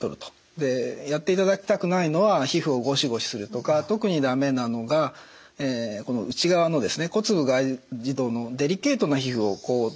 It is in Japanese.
やっていただきたくないのは皮膚をゴシゴシするとか特にだめなのがこの内側の骨部外耳道のデリケートな皮膚をこすると。